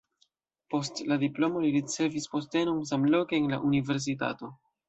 Post la diplomo li ricevis postenon samloke en la universitato.